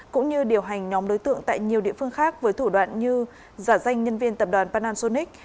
cũng như điều hành nhóm đối tượng tại nhiều địa phương khác với thủ đoạn như giả danh nhân viên tập đoàn panasonic